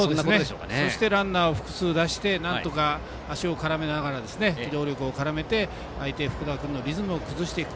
そしてランナーを複数出して、なんとか足を絡めながら、機動力を絡めて相手、福田君のリズムを崩していく。